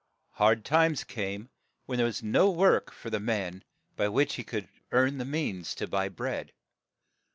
Hard times came, when there was no work for the man by which he could earn the means to buy bread.